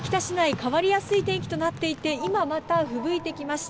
変わりやすい天気となっていて今、またふぶいてきました。